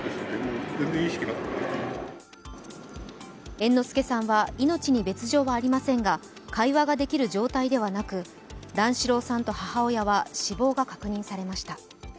猿之助さんは命に別状はありませんが会話ができる状態ではなく段四郎さんと母親は死亡が確認されました。